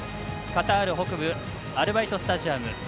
カタール北部アルバイトスタジアム。